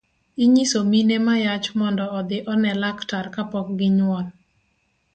Inyiso mine ma yach mondo odhi one laktar kapok ginyuol